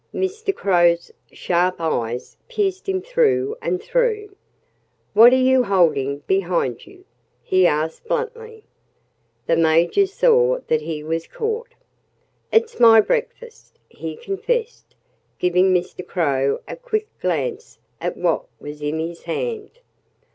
Mr. Crow's sharp eyes pierced him through and through. "What are you holding behind you?" he asked bluntly. The Major saw that he was caught. "It's my breakfast," he confessed, giving Mr. Crow a quick glance at what was in his hand.